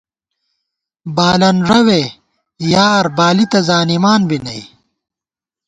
بالَن رَوے یار بالی تہ زانِمان بی نئ